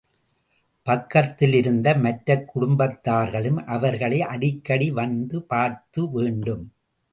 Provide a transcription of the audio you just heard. பக்கத்திலிருந்து மற்றக் குடும்பத்தார்களும் அவர்களை அடிக்கடி வந்து பார்த்து வேண்டும்.